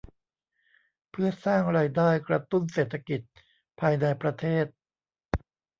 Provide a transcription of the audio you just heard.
เพื่อสร้างรายได้กระตุ้นเศรษฐกิจภายในประเทศ